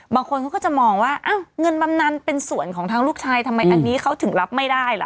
บางคนเขาก็จะมองว่าอ้าวเงินบำนานเป็นส่วนของทางลูกชายทำไมอันนี้เขาถึงรับไม่ได้ล่ะ